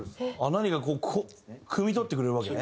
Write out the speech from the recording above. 何かこうくみ取ってくれるわけね。